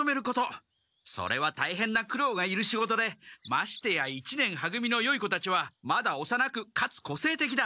それはたいへんなくろうがいる仕事でましてや一年は組のよい子たちはまだおさなくかつこせいてきだ。